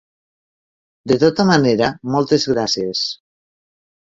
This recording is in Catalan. De tota manera, moltes gràcies.